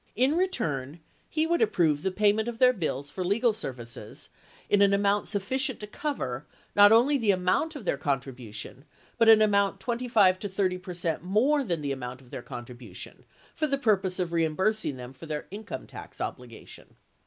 In return, he would approve the payment of their bills for legal services in an amount sufficient to cover, not only the amount of their contribution, but an amount 25 to 30 percent more than the amount of their contribution for the purpose of reim bursing them for their income tax obligation.